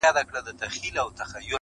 بېګا خوب وینمه تاج پر سر پاچا یم،